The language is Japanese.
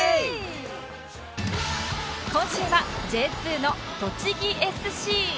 今週は Ｊ２ の栃木 ＳＣ